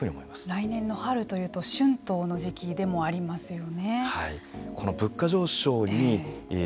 来年の春というと春闘の時期でもありますよね。